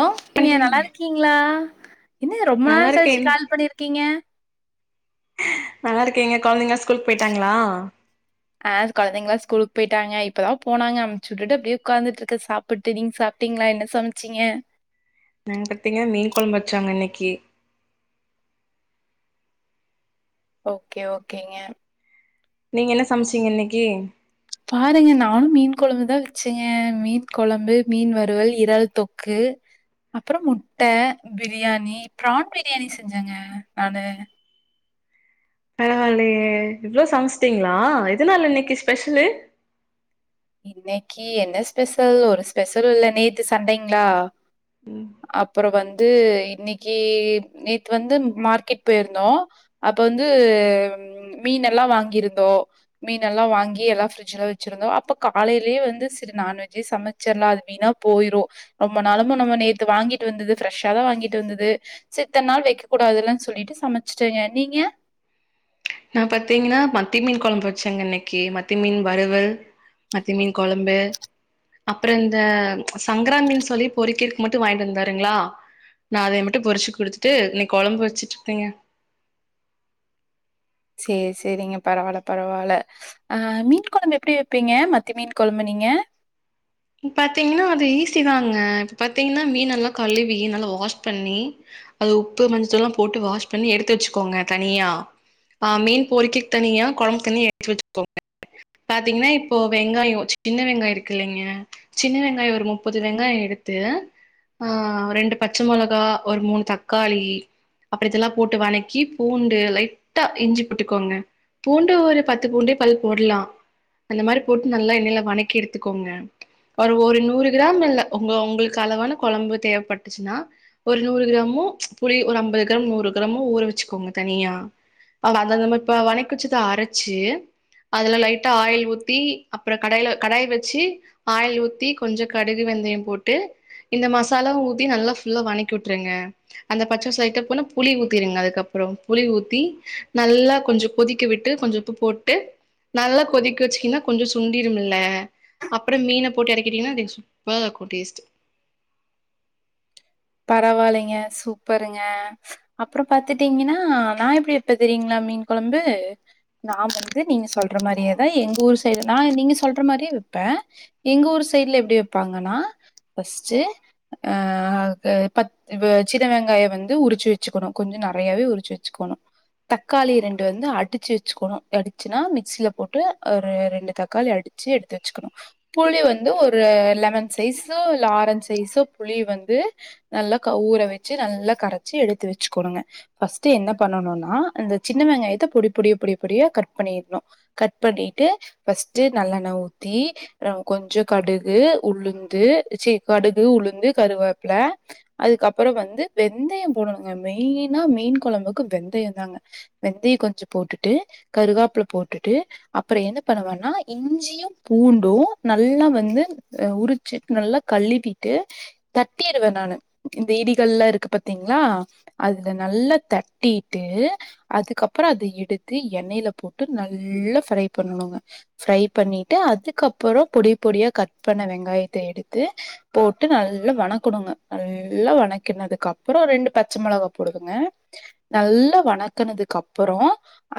ஒ நீங்க பண்றீங்க நல்லா இருக்கீங்ளா என்ன ரொம்ப நல்லா நாள் கழிச்சு இருக்கேன் கால் பண்ணிருக்கீங்க நல்லாருக்கேங்க கொழந்தைங்க ஸ்கூல்க் போய்ட்டாங்ளா அ கொழந்தைங்ளா ஸ்கூல்க் போய்ட்டாங்க இப்பதா போனாங்க அம்சுட்டுட்டு அப்டியே உட்காந்துட்ருக்க சாப்புட்டு நீங்க சாப் டீங்ளா என்ன சமச்சீங்க நாங்க பாத்தீங்ன்னா மீன் கொழம்ப் வச்சோங்க இன்னைக்கி ஓக்கே ஓக்கேங்க நீங்க என்ன சமச்சீங்க இன்னைக்கி பாருங்க நானு மீன் கொழம்புதா வச்சே மீன் கொழம்பு, மீன் வறுவல், இறால் தொக்கு கு அப்றோ முட்ட, பிரியாணி பிரான் பிரியாணி செஞ்சேங்க நானு பரவாலயே இவ்ளோ சமச்சிட்டீங்களா எதனால இன்னைக்கி ஸ்பெஷலு இன்னைக்கி என்ன ஸ்பெஷல் ஒரு ஸ்பெஷல்லு இல்ல நேத்து சண்டேங்ளா அப்றோ வந்து இன்னைக்கி நேத்து வந்து மார்க்கெட் போயிருந்தோ அப்போ வந்து மீனெல்லா வாங்கியிருந்தோ மீனெல்லா வாங்கி எல்லா ஃப்ரிஜ்ஜில வச்சிருந்தோ அப்ப காலைலேயே வந்து சேரி நான்வெஜ்ஜே சமைச்சிட்ற்லா அது வீணா போயிரு ரொம்ப நாளமு நம்ம நேத்து வாங்கி ட்டு வந்தது ஃப்ரெஷ்ஷாதா வாங்கிட்டு வந்தது சேரி இத்தன்நாளு வைக்க கூடாதுல்லனு சொல்லிட்டு சமைச்சிட்டங்க நீங்க நா பாத்தீங்னா மத்திமீன் கொழம்பு வச்சங்க இன்னைக்கி மத்தி மீன் வறுவல் மத்தி மீன் கொழம்பு அப்பற இந்த சங்கராமீன்னு சொல்லி பொரிகிறதுக்கு மட்டு வாங்கிட்டு வந்தாருங்களா நா அதை மட்டு பொரிச்சு குடுத்துட்டு இன்னைக் கொழம்பு வச்சுட்டு இருந்தங்க சேரி சேரிங்க பரவால்ல பரவால்ல, ஆ மீன் கொழம்பு எப்டி வைப்பீங்க மத்தி மீன் கொழம்பு நீங்க பாத்தீங்னா அது ஈஸி தாங்க இப்ப பாத்தீங்னா மீன் நல்லா கழுவி நல்லா வாஷ் பண்ணி அது உப்பு மஞ்சத்தூள்லா போட்டு வாஷ் பண்ணி எடுத்து வச்சுக்கோங்க தனியா ஆ மீன் பொரிக்க தனியா கொழம்பு தனியா எடுத்து வச்சுக்கோங்க பாத்தீங்னா இப்போ வெங்காயோ சின்ன வெங்காயம் இருக்கு இல்லலைங்க சின்ன வெங்காய ஒரு முப்பது வெங்காய எடுத்து ஆ, ரெண்டு பச்ச மொளகா, ஒரு மூணு தக்காளி அப்ற இதெல்லா போட்டு வணக்கி பூண்டு லைட்டா இஞ்சி போட்டுக்கோங்க பூண்டு ஒரு பத்து பூண்டு பல் போட்லா அந்த மாரி போட்டு நல்லா எண்ணைல வணக்கி எடுத்துக்கோங்க ஒரு ஒரு நூறு கிராம் இல்ல உங்க உங்களுக்கு அளவான கொழம்பு தேவப்பட்டுச்சின்னா ஒரு நூறு கிரா மு, புளி ஒரு அம்பது கிராம் நூறு கிராமு ஊற வச்சுக்கோங்க தனியா அத நம்ப இப்ப வணக்கி வச்சத அரைச்சி அதுல லைட்டா ஆயில் ஊத்தி அப்ற கடாய்ல கடாய் வச்சி ஆயில் ஊத்தி கொஞ்ச கடுகு, வெந்தயம் போட்டு இந்த மசாலாவு ஊத்தி நல்லா ஃபுல்லா வணக்கி வுட்டுருங்க அந்த பச்ச வாசோ லைட்டா போன புளி ஊத்திருங்க அதுக்கப் அப்றோ புளி ஊத்தி நல்லா கொஞ்சோ கொதிக்க விட்டு கொஞ்சோ உப்பு போட்டு நல்லா கொதிக்க வச்சிங்கனா கொஞ்சோ சுண்டிரூம்ல்ல அப்றோ மீன போட்டு எறக்கிட்டீங்கனா அது சூப்பரா இருக்கு டேஸ்ட் பரவால்லைங்க சூப்பருங்க, அப்றோ பாத்துட்டீங்கனா நா எப்டி வப்ப தெரியுங்ளா? மீன் கொ கொழம்பு நா வந்து நீங்க சொல்ற மாரியேதா எங்க ஊரு சைடு நா நீங்க சொல்ற மாரி வைப்பே, எங்க ஊரு சைட்ல எப்டி வப்பாங்கன்னா ஃபர்ஸ்ட் அ அ, பத் வெ சின்ன வெங்காய வந்து உரிச்சி வச்சுக்கணு கொஞ்ச நறையாவே உரிச்சி வச்சுக்கோணு தக்காளி ரெண்டு வந்து அடிச்சி வச்சுக்கோணு அடிச்சின்னா மிக்சில போட்டு ஒரு ரெண்டு தக்காளி அடி ச்சி எடுத்து வச்சுக்கணு புளி வந்து ஒரு லெமன் சைஸோ இல்ல ஆரஞ்ச் சைஸோ புளி வந்து நல்லா க ஊற வச்சி நல்லா கரைச்சி எடுத்து வச்சுக்கோணுங்க ஃபஸ்ட் என்ன பண்ணணும்னா இந்த சின்ன வெங்காயத்த பொடி பொடி பொடி பொடிய கட் பண்ணிட்ணு கட் பண்ணிட்டு ஃபர்ஸ்ட் நல்லெண்ண ஊ த்தி ர கொஞ்சோ கடுகு, உளுந்து கடுகு, உளுந்து கருவ ப்புல அதுக்கப்றோ வந்து வெந்தயம் போடணுங்க மெயினா மீன் கொழம்புக்கு வெந்தய தாங்க வெந்தயம் கொஞ்ச போட்டுட்டு கருகாப்புல போட்டுட்டு அப்பறோ என்ன பண்ணுவனா இஞ்சி பூண்டும் நல்லா வந்து உரிச்சி நல்லா கழுவீட்டு தட்டிருவே நானு இந்த இடி கல்லா இருக்கு பாத்தீங்ளா அதுல நல்லா தட்டிட்டு து அதுக்கப்றோ அத எடுத்து எண்ணெய்ல போட்டு நல்லா ஃப்ரை பண்ணணுங்க ஃப்ரை பண்ணிட்டு அதுக்கப்பறோ பொடி பொடியா கட் பண்ண வெங்காயத்த எடுத்து போட்டு நல் லா வணக்குனுங்க நல்லா வணக்கினதுக்கப்பறோ ரெண்டு பச்ச மொளவா போடுவங்க நல் நல்லா வணக்கனதுக்கு அப்பறோ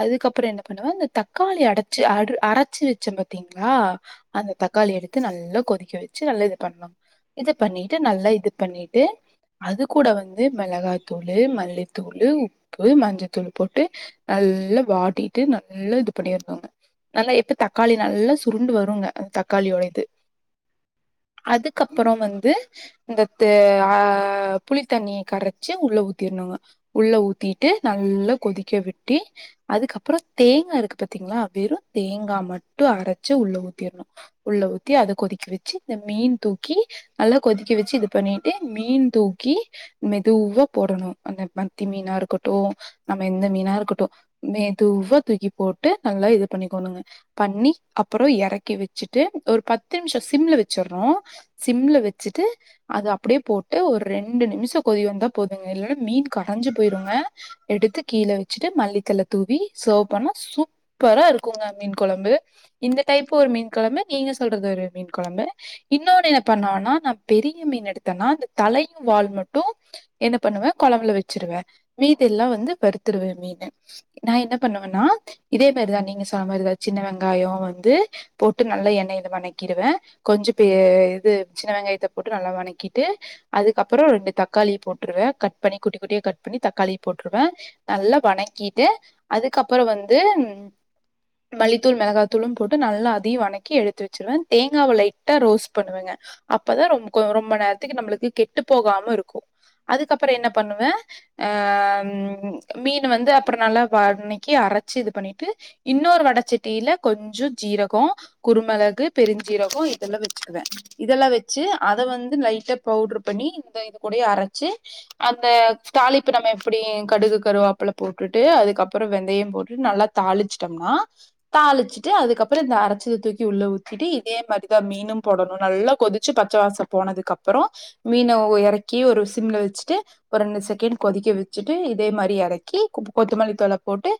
அதுக்கப்பற என்ன பண்ணுவ இந்த தக்காளி அடைச்சி அட் அரச்சி ச்ச பாத்தீங்களா அந்த தக்காளி எடுத்து நல்லா கொதிக்க வச்சு நல்லா இது பண்ணனும் இது பண்ணிட்டு நல்லா இது பண்ணிட்டு அது கூட வந்து மெளகாத்தூளு மல்லித்தூளு உப் ப்பு மஞ்சத்தூள் போட்டு நல்லா வாட்டிட்டு நல்லா இது பண்ணிரனுங்க நல்லா எப்ப தக்காளி நல்லா சுருண்டு வருங்க அந் தக்காளியோட இது அதுக்கப்புறம் வந் இந்த து ஆஹ் புளித்தண்ணிய கரச்சு உள்ள ஊத்திரனுங்க உள்ள ஊத்திட் ட்டு நல்லா கொதிக்க விட்டி அதுக்கப்புறம் தேங்கா இருக்கு பாத்தீங்களா வெறும் தேங்கா மட் ட்டு அரச்சு உள்ள ஊத்திரணும் உள்ள ஊத்தி அத கொதிக்க வச்சு இந்த மீன் தூக்கி நல்லா கொதிக்க வச்சு இது பண்ணிட்டு மீன் தூக்கி மெதுவா போடணும் அந்த மத்தி மீனா இருக்கட்டும் நம்ம எந்த மீனா இருக்கட்டும் மெதுவா தூக்கி போட்டு நல்லா இது பண்ணிக்கோணுங்க பண்ணி அப்புறம் எறக்கி வச்சுட்டு ஒரு பத்து நிமிஷம் சிம்ல வச்சுட்றோம் சிம்ல வச் ச்சுட்டு அது அப்பிடியே போட்டு ஒரு ரெண்டு நிமிஷம் கொதி வந்தா போதுங்க இல்லன்னா மீன் கரஞ்சு போயிருங்க அ எடுத்து கீழே வச்சுட்டு மல்லித்தழ தூவி செர்வ் பண்ணா சூப்பரா இருக்குங்க மீன் கொழம்பு பு இந்த டைப் ஒரு மீன் கொழம்பு நீங்க சொல்றது ஒரு மீன் கொழம்பு இன்னொன்னு என்ன பண்ணனுன்னா நான் பெரிய மீன் எடுத்தேன்னா அது தலையும் வாலு மட்டும் என்ன பண்ணுவே கொழம்புல வச்சிருவேன் மீதில்லாம் வந்து வறுத்துருவேன் மீன நான் என்ன பண்ணுவேன்னா இதே மாதிரிதான் நீங்க சொன்ன மாதிரிதான் சின்ன வெங்காயம் வந்து போட்டு நல்லா எண்ணெயில வணக்கிருவேன் கொஞ்சம் பெ இது சின்ன வெங்காய காயத்த போட்டு நல்லா வணக்கிட்டு அதுக்கப்புறோ ரெண்டு தக்காளி போட்டுருவேன் கட் பண்ணி குட்டி குட்டியா கட் பண்ணி தக்காளி போட்டுருவேன் நல்லா வணக்கிட்டு அதுக்கப்புறோ வந்து உ மல்லித்தூள் மெளகாத்தூளும் போட்டு நல்லா அதையும் வனக்கி எடுத்து வச்சுருவேன் தேங்காவ லைட்டா ரோஸ்ட் பண்ணுவேங்க அப்பதான் ரொம்ப ரொம்ப நேரத்துக்கு நம்மளுக்கு கெட்டு போகாம இருக்கும் அதுக்கப்புறம் என்ன பண்ணுவேன் ஆஹ் மீனு வந்து அப்புறோம் நல்லா வனக்கி அரச்சு இது பண்ணிட்டு இன்னொரு வடச்சட்டியில கொஞ்சோ ஜீரகோ குறுமெளகு பெருஞ்சீரகம் கு இதெல்லாம் வச்சுக்கிவே இதெல்லாம் வச் வச்சு அத வந்து லைட்டா பவுடர் பண்ணி இதோ இதுகூடயே அரச்சு அந்த தாளிப்பு நம்ப எப்பிடி கடுகு கருவாப்பில போட்டுட்டு அதுக்கப்புறோ வெந்தயம் போட்டுட்டு நல்லா தாளிச்சிட்டோம்னா தாளிச்சிட்டு அதுக்கப்புறம் இந்த அரைச்சத தூக்கி உள்ள ஊத்திட்டு இதே மாதிரிதான் மீனும் போடணும் நல்லா கொதி ச்சு பச்சவாசோ போனதுக்கு அப்புறோம் மீன ஒ எறக்கி ஒரு சிம்ல வச்சுட்டு ஒரு ரெண்டு செக்கண்ட் கொதிச் வச்சுட்டு இதே மாதிரி எறக்கி கொத்தமல்லி தழை போட்டு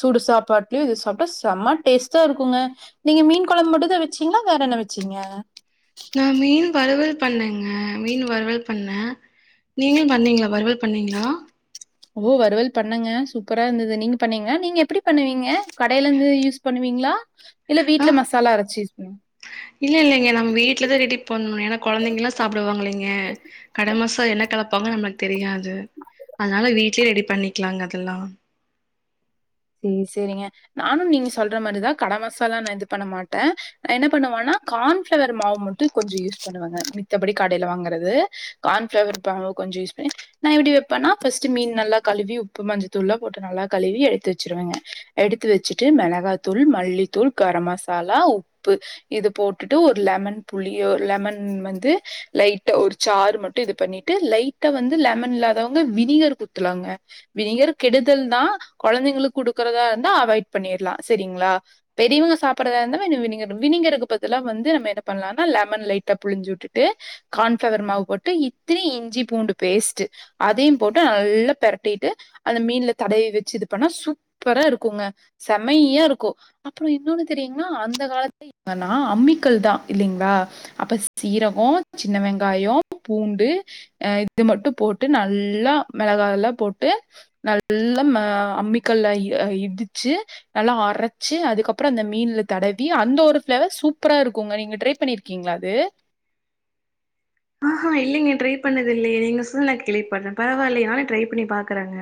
சூடு சாப்பாட்டுலயும் இது சாப்பிட்டா செம் ம டேஸ்ட்டா இருக்குங்க நீங்க மீன் கொழம்பு மட்டும்தான் வச்சீங்களா வேற என்ன வச்சீங்க நான் மீன் வறுவல் பண்ணேங்க மீன் வறுவல் பண்ணே நீங்களும் பண்ணீங்களா வறுவல் பண்ணீங்களா? ஓ வறுவல் பண்ணேங்க சூப்பரா இருந்தது நீங்க பண்ணீங்களா நீங்க எப்பிடி பண்ணுவீங்க கடையில இருந்து யூஸ் பண்ணுவீங்களா இல்ல ஆ வீட்ல மசாலா அரச்சு யூஸ் பண்ணுவு இல்ல இல்லேங்க நம்ம வீட்டுலதான் ரெடி பண்ணணும் ஏன்னா குழந்தைங்களாம் சாப்பிடுவாங்கல்லேங்க கட மசாலா எனக்கு என்ன கலப்பாங்க நம்மளுக்கு தெரியாது அதனால வீட்லயே ரெடி பண்ணிக்கலாங்க அதெல்லாம் சேர் செரிங்க நானும் நீங்க சொல்ற மாதிரிதான் கட மசாலா நான் இது பண்ண மாட்டேன் நான் என்ன பண்ணுவேன்னா கான்ஃப்ளவர் மாவு மட்டும் கொஞ்சம் யூஸ் பண்ணுவேங்க மித்தபடி கடையில வாங்குறது கான்ஃப்ளவர் மாவு கொஞ்சம் யூஸ் பண்ணி நான் எப்பிடி வப்பேன்னா ஃபஸ்ட்டு மீன் நல்லா கழுவி உப்பு மஞ்சத்தூள்ல்லா போட்டு நல்லா கழுவி எடுத்து ச்சருவேங்க எடுத்து வெச்சுட்டு மெளகாய்த்தூள் மல்லித்தூள் கரம் மசாலா உப்பு இதுப் போட்டுட்டு ஒரு லெமன் புளியோ லெமன் வந்து லைட்டா ஒரு சாரு மட்டும் இதுப் பண்ணிட்டு லைட் வீட்ல லெமன் இல்லாதவங்க வினிகர் குடுத்துர்லாங்க வினிகர் கெடுதல்தான் கொழந்தைங்களுக் குடுக்குறதா இருந்தா அவாய்ட் பண்ணிரலாம் செரிங்களா பெரியவங்க சாப்பிட்ர்தா இருந்தா வினிகர் வினிகருக்கு பதிலா வந்து நம்ம என்ன பண்ணலான்னா லெமன் லைட்டா புழிஞ்சு விட்டுட்டு கான்ஃபிளவர் மாவு போட்டு இத்தினி இஞ்சி பூண்டு பூண்டு பேஸ்ட்டு அதையும் போட்டு நல்லா பெரட்டிட்டு அந்த மீன்ல தடவி வெச்சு இது பண்ணா சூப் ப்பரா இருக்குங்க செமைய்யா இருக்கு அப்புறோ இன்னொன்னு தெரியுங்களா அந்த காலத்துல என்னன்னா அம் மிக்கல் தான் இல்லீங்களா அப்ப சீரகம் சின்ன வெங்காயம் பூண்டு அஹ இது மட்டும் போட்டு நல்லா மெளகாயெல்லாம் போட்டு நல்லா அ அம்மி அம்மிகல்ல இடிச்சு நல்லா அரைச்சு அதுக்கு அப்புறம் அந்த மீன்னுல தடவி அந்த ஒரு ஃபிளேவர்ஸ் சூப்பரா இருக்குங்க நீங்க ட்ரை பண்ணிருக்கீங்களா அது ஆஹ்ஹா இல்லைங்க ட்ரை பண்ணது இல்லையே நீங்க சொல்லி நான் கேள்விப்படுறேன் பரவாயில்லையே நானும் ட்ரை பண்ணி பாக்குறங்க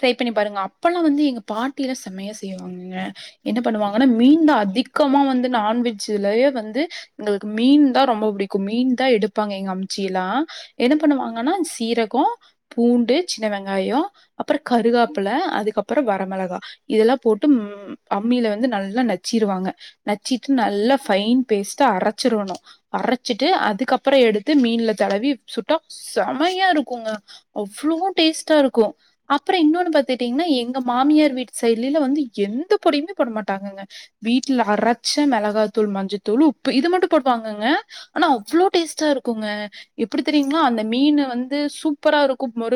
ட்ரை பண்ணி பாருங்க அப்பல்லாம் வந்து எங்க பாட்டியிலா செம்மையா செய்வாங்க என்ன பண்ணுவாங்கன்னா மீன் தான் அதிகமா வழக்கமா வந்து நான்வெஜ்ஜிலயே வந்து எங்களுக்கு மீன் தான் ரொம்ப பிடிக்கும் மீன் தான் எடுப்பாங்க எங்க அம்மா சீலா என்ன பண்ணுவாங்கன்னா சீரகம் பூண்டு சின்ன வெங்காயம் அப்புறம் கருவேப்பில அதுக்கப்புறம் வரமிளகா இதெல்லாம் போட்டு ம் அம்மியில வந்து நல்லா நச்சு இதுவாங்க நச்சிட்டு நல்ல ஃபைன் பேஸ்டா அரைச்சிரணும் அரைச்சிட்டு அதுக்கப்புறம் எடு எடுத்து மீன்ல தடவி சுட்டா செமயா இருக்குங்க அவ்வளோ டேஸ்ட்டா இருக்கும் அப்புறம் இன்னொன்னு பாத்துட்டீங்கன்னா எங்க மாமியார் வீட்டு சைட்ல வந்து எந்த பொடியுமே போட மாட்டாங்கங்க வீட்டுல அரைச்ச மிளகாத்தூள் மஞ்சத்தூள் உப்பு இது மட்டும் போடுவாங்கங்க ஆனா அவ்ளோ டேஸ்டா இருக்கும் ங்க எப்படி தெரியங்களா அந்த மீன் வந்து சூப்பர இருக்கும் மொ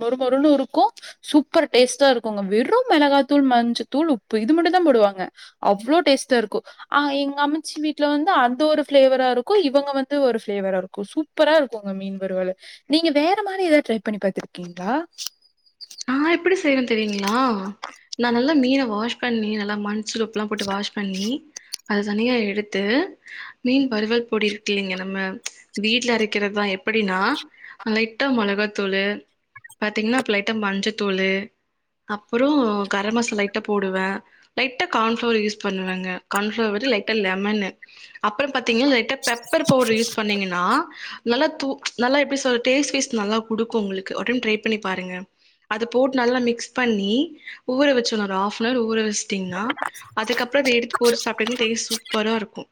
மொறுமொறுன்னும் இருக்கும் சூப்பர் டேஸ்ட்டா இருக்குங்க வெறும் மிளகாத்தூள் மஞ்சத்தூள் உப்பு இது மட்டும் தான் போடுவாங்க அவ்ளோ அவ்ளோ டேஸ்டா இருக்கும் ஆ எங்க அம்ச்சி வீட்டுல வந்து அந்த ஒரு ஃபிளேவரா இருக்கும் இவங்க வந்து ஒரு ஃபிளேவரா இருக்கும் சூப்பரா இருக்கும்ங்க மீன் வறுவல் நீங்க வேற மாதிரி எதாவது ட்ரை பண்ணி பாத்துருக்கீங்களா நான் எப்படி செய்றேன் தெரியுங்களா நான் நல்லா மீன வாஷ் பண்ணி நல்லா மண் அசல் உப்புல்லாம் போட்டு வாஷ் பண்ணி அது தனியா எடுத்து மீன் வறுவல் பொடி இருக்குலைங்க நம்ம ச் வீட்டில அரைக்கிறதுதான் எப்போ அப்படின்னா லைட்டா மொளகாத்தூளு பாத்தீங்கன்னா அப்ப லைட்டா மஞ்சத்தூளு அப்புறம் கரம் மசாலா லைட்டா போடுவேன் லைட்டா கான்ஃபிளவர் யூஸ் பண்ணுவங்க கான்ஃபிளவர் லைட்டா லெமன்னு அப்புறம் பாத்தீங்கன்னா லைட்டா பெப்பர் பவுடர் யூஸ் பண்ணீங்கன்னா நல்லா தூ ச் நல்லா எப்படி சொல்றது டேஸ்ட் பீசு நல்லா கொடுக்கும் உங்களுக்கு ஒர்ரைம் டிரை பண்ணி பாருங்க அதை போட்டு நல்லா மிக்ஸ் பண்ணி ஊற வெச்சணும் ஒரு ஹாப்வர் ஊற வெச்சு அப்படின்னா அதுக்கப்புறம் அதை எடுத்து போட்டு சாப்பிட்டிங்னா டேஸ்ட் சூப்பரா இருக்கும்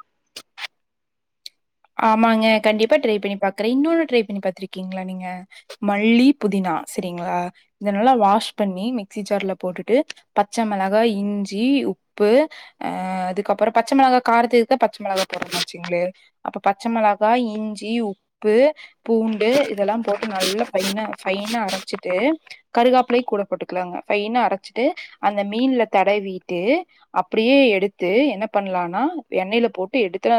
ஆமாங்க கண்டிப்பா ட்ரைப் பண்ணி பாக்குறேன் இன்னொன்னு ட்ரைப் பண்ணி பாத்துருக்கீங்களா நீங்க மல்லி புதினா சரி இதனால வாஷ் பண்ணி மிக்சி ஜார்ல போட்டுட்டு பச்சமிளகா இஞ்சி உ உப்பு அஹ அதுக்கப்புறம் பச்சமிளகாய் காரத்துக்கு பச்சமிளகாய் போடுறேன் வச்சுங்களே அப்ப பச்சமிளகாய் இஞ்சி உப்பு பூண்டு இதெல்லாம் போட்டு நல்லா ஸ்பைனா ஸ்பைன் ஸ்பைனா அரைச்சிட்டு கருகாப்பளையும் கூட போட்டுக்கலாங்க ஸ்பைனா அரைச்சிட்டு அந்த மீன்ல தடவி தடவிட்டு அப்படியே எடுத்து என்ன பண்ணலனா எண்ணெயில போட்டு எடுத்து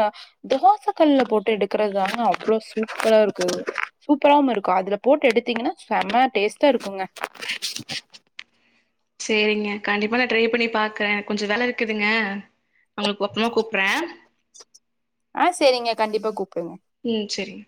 தோசத் ல்ல போட்டு எடுக்கிறதுது தாங்க அவ்வளோ சூப்பரா இருக்கு சூப்பராவும் இருக்கும் அதுல போட்டு எடுத்தீங்கன்னா அம்மா டேஸ்ட்டா இருக்குங்க சரிங்க கண்டிப்பா நான் ட்ரை பண்ணி பாக்குறேன் கொஞ்சம் வேில இருக்குதுங்க உங்களுக்கு மத்தமா கூப்பறேன் கண்டப்ப கு ம் சரிங்க